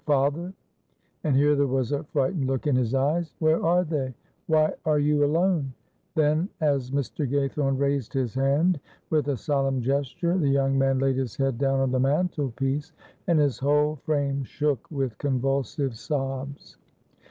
Father" and here there was a frightened look in his eyes "where are they? Why are you alone?" Then, as Mr. Gaythorne raised his hand with a solemn gesture, the young man laid his head down on the mantelpiece and his whole frame shook with convulsive sobs.